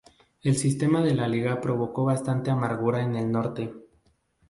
El sistema de la liga provocó bastante amargura en el norte.